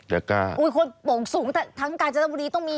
กล้าอุ้ยคนโป่งสูงแต่ทั้งกาญจนบุรีต้องมี